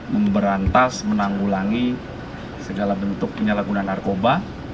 memberantas menanggulangi segala bentuk penyalahgunaan narkoba